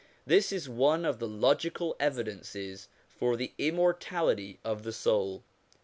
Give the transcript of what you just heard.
This is one of the logical evidences for the immortality of the soul.